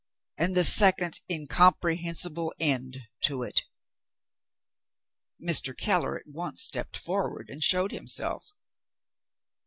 And the second incomprehensible end to it!" Mr. Keller at once stepped forward, and showed himself.